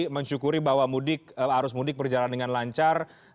mensyukuri bahwa mudik arus mudik berjalan dengan lancar dan juga aman